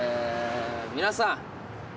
皆さん